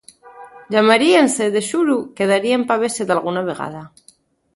Llamaríense, de xuru, quedaríen pa vese dalguna vegada.